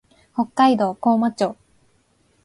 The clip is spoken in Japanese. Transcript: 北海道厚真町